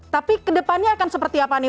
tapi ke depannya akan seperti apa nih